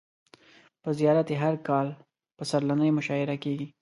په زیارت یې هر کال پسرلنۍ مشاعر کیږي.